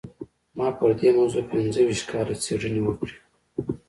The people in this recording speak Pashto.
ما پر دې موضوع پينځه ويشت کاله څېړنې وکړې.